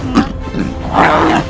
emak tetap menyayangimu